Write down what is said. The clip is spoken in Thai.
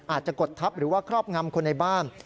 กดทับหรือว่าครอบงำคนในบ้าน